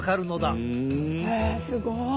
えすごい。